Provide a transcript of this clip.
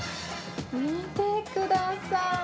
見てください。